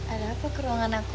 ada apa ke ruangan aku